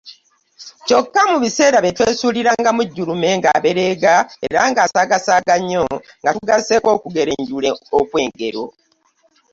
Kyokka mu biseera bye twesuulirangamu jjulume ng'abereega era nga saagasaaga nnyo nga tugasseeko okugerenjula okw'engero.